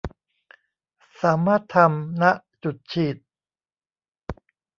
สามารถทำ ณ จุดฉีด